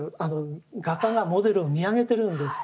画家がモデルを見上げてるんです。